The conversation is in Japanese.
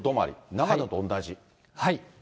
長野と同じ。